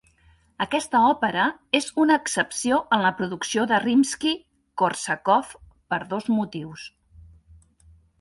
Aquesta òpera és una excepció en la producció de Rimski-Kórsakov per dos motius.